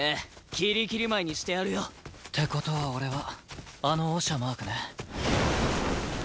きりきり舞いにしてやるよ。って事は俺はあのオシャマークね。